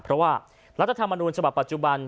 เพราะว่ารัฐธรรมนูญฉบับปัจจุบัน